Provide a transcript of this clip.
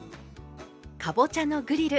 かぼちゃのグリル